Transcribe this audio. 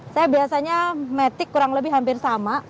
saya biasanya matic kurang lebih hampir sama